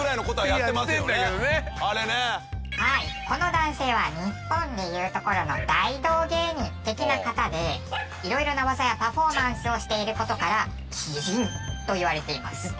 この男性は日本でいうところの大道芸人的な方で色々な技やパフォーマンスをしている事から奇人といわれています。